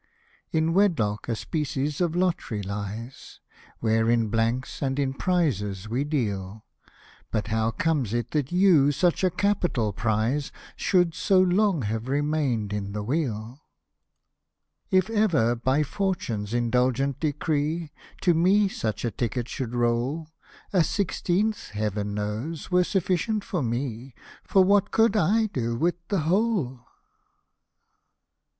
In wedlock a species of lottery lies, Where in blanks and in prizes we deal ; But how comes it that you, such a capital prize, Should so long have remained in the wheel ? Hosted by Google 64 EARLY POEMS, BALLADS, AND SONGS If ever, by Fortune's indulgent decree, To me such a ticket should roll, A sixteenth, Heaven knows ! were sufficient for me ; For what could / do with the whole